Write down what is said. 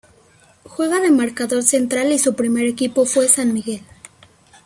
Juega de marcador central y su primer equipo fue San Miguel.